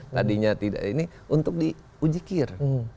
tadinya tidak ini untuk diuji kir